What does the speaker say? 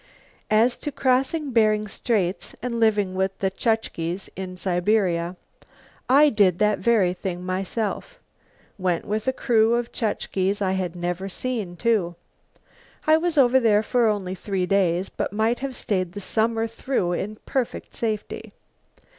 As to crossing Bering Straits and living with the Chukches in Siberia. I did that very thing myself went with a crew of Chukches I had never seen, too. I was over there for only three days but might have stayed the summer through in perfect safety.